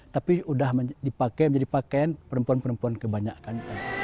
tapi sudah dipakai menjadi pakaian perempuan perempuan kebanyakan